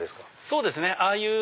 そうですね。